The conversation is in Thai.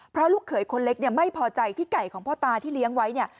เพราะลูกเขยคนเล็กเนี่ยไม่พอใจที่ไก่ของพ่อตาที่เลี้ยงไว้เนี่ย